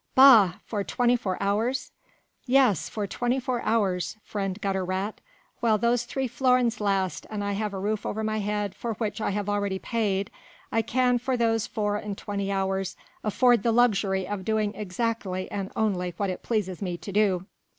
"Bah! for twenty four hours!..." "Yes! for twenty four hours, friend Gutter rat, while those three florins last and I have a roof over my head for which I have already paid ... I can for those four and twenty hours afford the luxury of doing exactly and only what it pleases me to do."